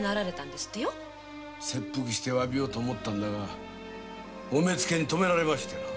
切腹しようと思ったんだが御目付にとめられましてな。